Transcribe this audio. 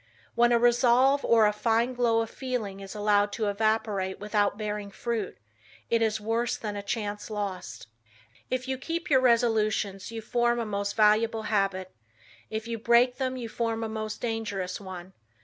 When a resolve or a fine glow of feeling is allowed to evaporate without bearing fruit, it is worse than a chance lost." If you keep your resolutions you form a most valuable habit. If you break them you form a most dangerous one.